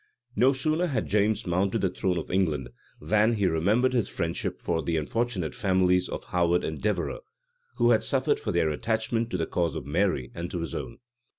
No sooner had James mounted the throne of England, than he remembered his friendship for the unfortunate families of Howard and Devereux, who had suffered for their attachment to the cause of Mary and to his own.